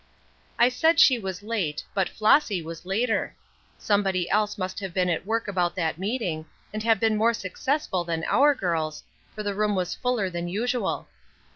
I said she was late, but Flossy was later. Somebody else must have been at work about that meeting, and have been more successful than our girls, for the room was fuller than usual.